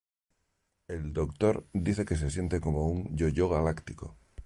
El Doctor dice que se siente como un "yo-yo galáctico".